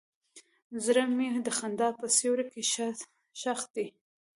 زړه مې د خندا په سیوري کې ښخ دی.